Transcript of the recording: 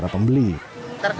aneh tapi enak